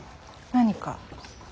何か？